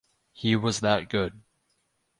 He was that good.